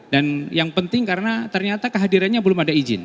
dan yang penting karena ternyata kehadirannya belum ada izin